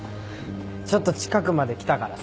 ちょっと近くまで来たからさ。